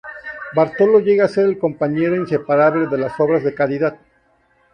Bartolo llega a ser el compañero inseparable de las obras de caridad.